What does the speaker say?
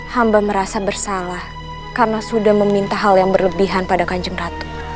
hamba merasa bersalah karena sudah meminta hal yang berlebihan pada kanjeng ratu